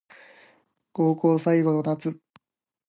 高校最後の夏